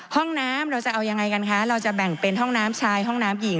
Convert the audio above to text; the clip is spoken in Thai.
ห้องน้ำเราจะเอายังไงกันคะเราจะแบ่งเป็นห้องน้ำชายห้องน้ำหญิง